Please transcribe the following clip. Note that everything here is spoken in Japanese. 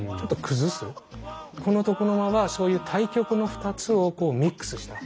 この床の間はそういう対極の２つをミックスした。